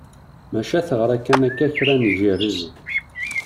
Maca teɣra kan akka kra n yijerriden.